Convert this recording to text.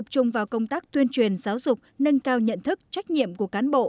chung vào công tác tuyên truyền giáo dục nâng cao nhận thức trách nhiệm của cán bộ